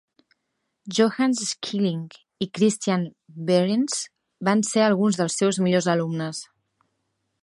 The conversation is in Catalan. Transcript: Johannes Schilling i Christian Behrens van ser alguns dels seus millors alumnes.